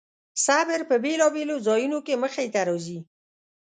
صبر په بېلابېلو ځایونو کې مخې ته راځي.